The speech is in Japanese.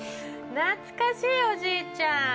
懐かしい、おじいちゃん。